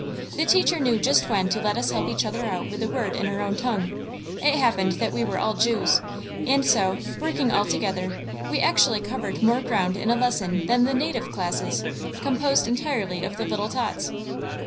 The teacher knew just when to let us help each other out with a word in our own tongue, it happened that we were all Jews, and so, working all together, we actually covered more ground in a lesson than the native classes, composed entirely of the little tots.